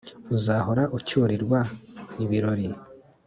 Uzahora ucyurirwa ibirori